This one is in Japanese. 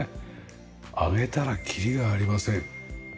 挙げたらキリがありません。